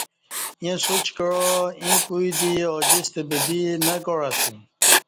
ییں سوچ کعا ایں کوئی دی اوجستہ بدی نہ کاع اسہ